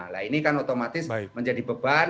nah ini kan otomatis menjadi beban